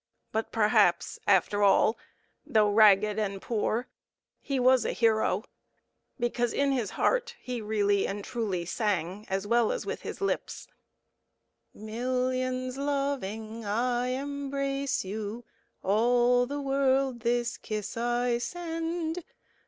But perhaps after all, though ragged and poor, he was a hero, because in his heart he really and truly sang, as well as with his lips: "Millions loving, I embrace you, All the world this kiss I send!